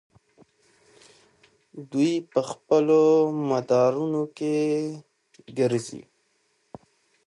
دوی په خپلو مدارونو کې ګرځي.